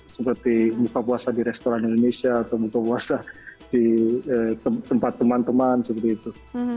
seperti buka puasa di restoran indonesia atau buka puasa di tempat teman teman seperti itu